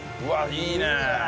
いいね！